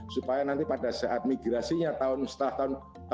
supaya nanti pada saat migrasinya setelah tahun ke tujuh